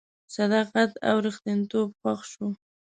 صداقت او ریښتینتوب خوښ شو.